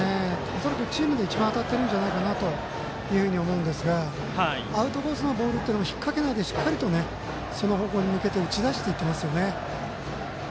恐らくチームで一番当たっているんじゃないかというふうに思うんですがアウトコースのボールというのを引っ掛けないで、しっかりとその方向に向けて打ち出していってますね。